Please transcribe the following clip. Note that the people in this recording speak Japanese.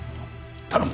頼む。